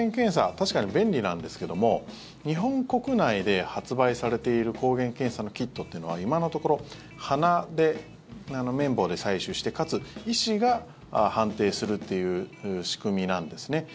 確かに便利なんですけども日本国内で発売されている抗原検査のキットというのは今のところ鼻で綿棒で採取してかつ、医師が判定するという仕組みなんですね。